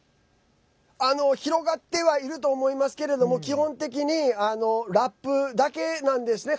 広がってはいると思いますけれども基本的にラップだけなんですね。